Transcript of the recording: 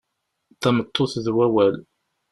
Tameṭṭut d wawal.